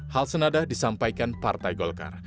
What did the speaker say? hal senada disampaikan partai golkar